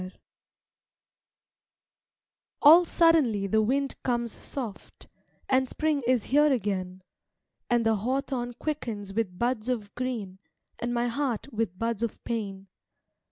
SONG All suddenly the wind comes soft, And Spring is here again; And the hawthorn quickens with buds of green, And my heart with buds of pain.